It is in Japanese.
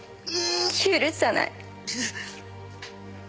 許さない。